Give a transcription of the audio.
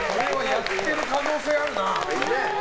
やってる可能性あるな。